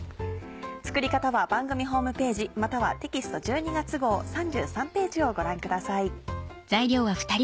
作り方は番組ホームページまたはテキスト１２月号３３ページをご覧ください。